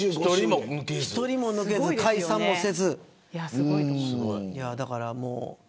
１人も抜けず、解散もせず。